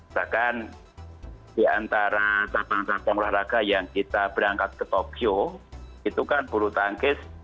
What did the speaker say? bahkan diantara tabang tabang olahraga yang kita berangkat ke tokyo itu kan bulu tangkis